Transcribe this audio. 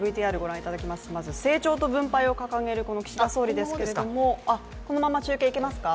成長と分配を掲げる岸田総理ですけれどもこのまま中継いけますか。